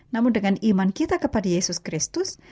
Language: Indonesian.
namun dengan iman kita kepada yesus kristus